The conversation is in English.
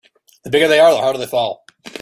The bigger they are the harder they fall.